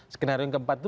skenario yang keempat itu